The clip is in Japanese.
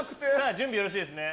準備よろしいですね。